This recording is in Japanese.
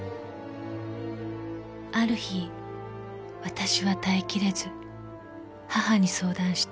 ［ある日わたしは耐え切れず母に相談した］